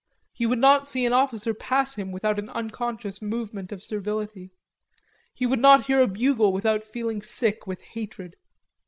He would not see an officer pass him without an unconscious movement of servility, he would not hear a bugle without feeling sick with hatred.